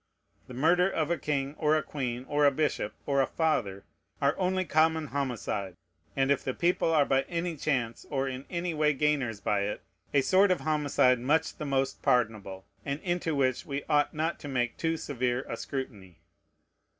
The murder of a king, or a queen, or a bishop, or a father, are only common homicide, and if the people are by any chance or in any way gainers by it, a sort of homicide much the most pardonable, and into which we ought not to make too severe a scrutiny.